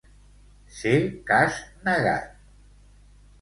Ser cas negat.